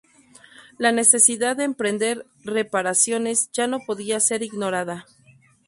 La necesidad de emprender reparaciones ya no podía ser ignorada.